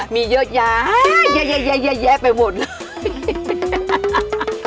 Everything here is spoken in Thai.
มีเยอะแยะเยอะแยะไปหมดเลย